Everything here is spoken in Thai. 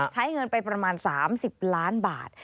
ใช้เงินไปประมาณ๓๐ล้านบาท